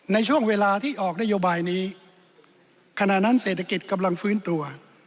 ในช่วงเวลาที่ออกนโยบายนี้ขณะนั้นเศรษฐกิจกำลังฟื้นตัว